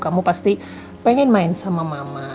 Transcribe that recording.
mesti pengen main sama mama